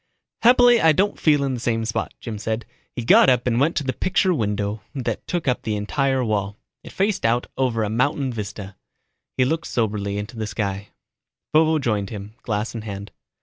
"Happily, I don't feel in the same spot," Jim said. He got up and went to the picture window that took up one entire wall. It faced out over a mountain vista. He looked soberly into the sky. Vovo joined him, glass in hand.